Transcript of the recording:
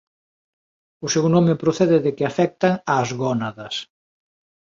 O seu nome procede de que afectan ás gónadas.